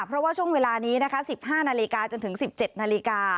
เพราะว่าช่วงเวลานี้นะคะ๑๕นาฬิกาจนถึง๑๗นาฬิกา